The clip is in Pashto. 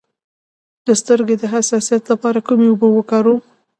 د سترګو د حساسیت لپاره کومې اوبه وکاروم؟